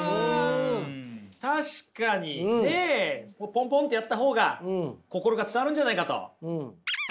ポンポンってやった方が心が伝わるんじゃないかと。